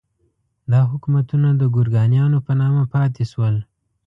دا حکومتونه د ګورکانیانو په نامه پاتې شول.